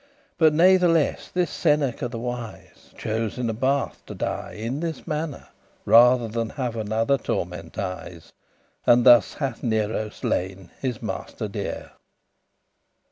But natheless this Seneca the wise Chose in a bath to die in this mannere, Rather than have another tormentise;* *torture And thus hath Nero slain his master dear.